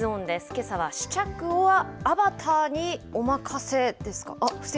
けさは試着はアバータにお任せですか。